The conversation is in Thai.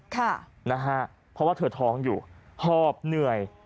เพราะถึงทอดท้องอยู่หอบเหนื่อย